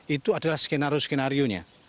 itu adalah skenario skenarionya